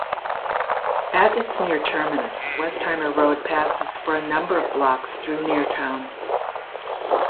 At its near terminus, Westheimer Road passes for a number of blocks through Neartown.